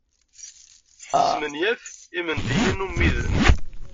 Tesmenyaf imendiyen ummiden.